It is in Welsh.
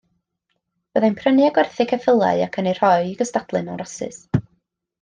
Byddai'n prynu a gwerthu ceffylau ac yn eu rhoi i gystadlu mewn rasys.